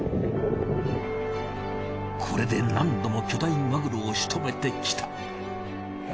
これで何度も巨大マグロをしとめてきた。